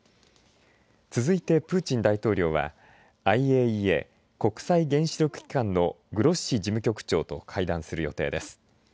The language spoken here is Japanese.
続いてプーチン大統領はＩＡＥＡ、国際原子力機関のグロッシ事務局長と会談する予定です。